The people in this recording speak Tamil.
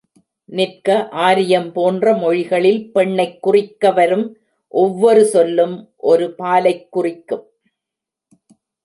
நிற்க ஆரியம் போன்ற மொழிகளில் பெண்ணைக் குறிக்கவரும் ஒவ்வொரு சொல்லும் ஒரு பாலைக்குறிக்கும்.